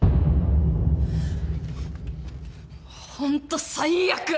ホント最悪！